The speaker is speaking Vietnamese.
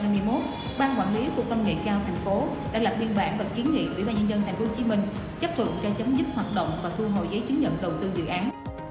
tháng một mươi năm hai nghìn hai mươi một ban quản lý của công nghệ cao tp hcm đã lập biên bản và kiến nghị ủy ban nhân dân tp hcm chấp thuận cho chấm dứt hoạt động và thu hồi giấy chứng nhận đầu tư dự án